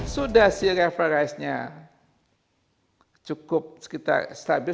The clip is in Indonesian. sudah sih referensinya cukup stabil